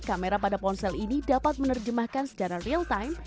kamera pada ponsel ini dapat menerjemahkan secara real time